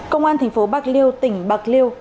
công an tp bạc liêu tỉnh bạc liêu